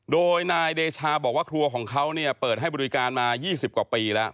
โดยนายเดชาบอกว่าครัวของเขาเนี่ยเปิดให้บริการมา๒๐กว่าปีแล้ว